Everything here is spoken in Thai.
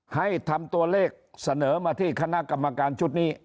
ให้ทำตัวเลขเสนอมาที่คณะกรรมการชุดนี้